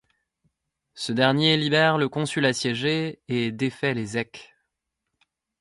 Ce dernier libère le consul assiégé et défait les Èques.